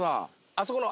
あそこの。